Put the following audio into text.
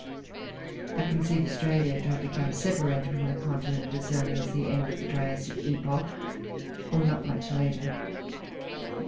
I conceive Australia to have become separated from the continent as early as the end of the Triassic epoch, or not much later.